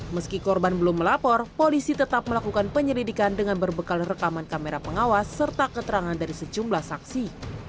meski korban belum melapor polisi tetap melakukan penyelidikan dengan berbekal rekaman kamera pengawas serta keterangan dari sejumlah saksi